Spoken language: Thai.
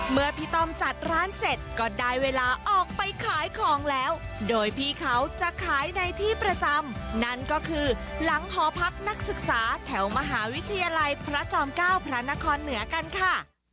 เมื่อพี่ต้อมจัดร้านเสร็จก็ได้เวลาออกไปขายของแล้วโดยพี่เขาจะขายในที่ประจำนั่นก็คือหลังหอพักนักศึกษาแถวมหาวิทยาลัยพระจอมเก้าพระนครเหนือกันค่ะ